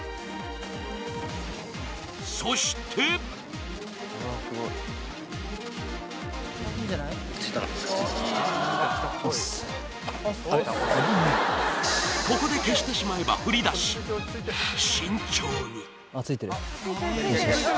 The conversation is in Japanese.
そしてここで消してしまえば振り出しあっついてる